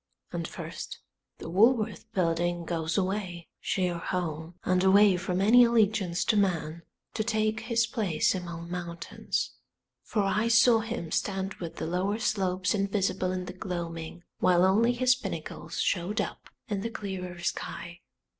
And first the Woolworth Building goes away, sheer home and away from any allegiance to man, to take his place among mountains; for I saw him stand with the lower slopes invisible in the gloaming, while only his pinnacles showed up in the clearer sky.